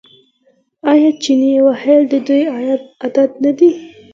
آیا چنې وهل د دوی عادت نه دی؟